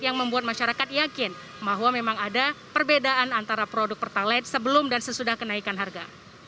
yang membuat masyarakat yakin bahwa memang ada perbedaan antara produk pertalite sebelum dan sesudah kenaikan harga